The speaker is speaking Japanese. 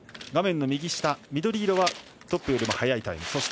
画面の右下緑色はトップよりも速いタイム。